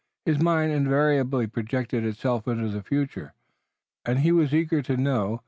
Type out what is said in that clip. His mind invariably projected itself into the future, and he was eager to know.